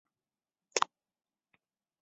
后于崇祯十七年寄居九江府。